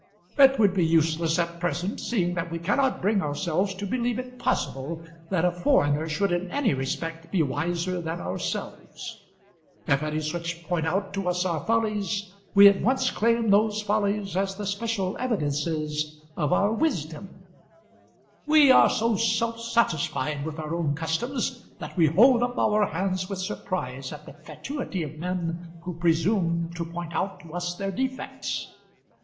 "It would be useless at present, seeing that we cannot bring ourselves to believe it possible that a foreigner should in any respect be wiser than ourselves. If any such point out to us our follies, we at once claim those follies as the special evidences of our wisdom. We are so self satisfied with our own customs, that we hold up our hands with surprise at the fatuity of men who presume to point out to us their defects.